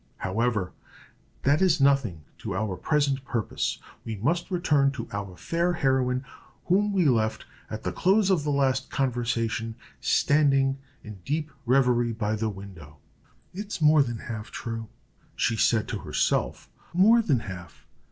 However, that is nothing to our present purpose; we must return to our fair heroine, whom we left, at the close of the last conversation, standing in deep revery, by the window. "It's more than half true," she said to herself "more than half.